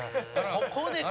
「ここで米」